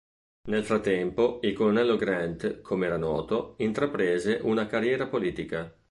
Nel frattempo, il "Colonnello Grant", come era noto, intraprese una carriera politica.